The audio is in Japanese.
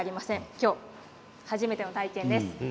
今日初めての体験です。